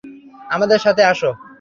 আমাদের সাথে আসো।